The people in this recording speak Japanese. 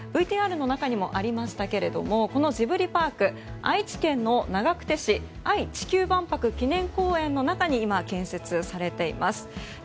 ＶＴＲの中にもありましたがこのジブリパーク愛知県の長久手市愛・地球博記念公園の中に今、建設されています。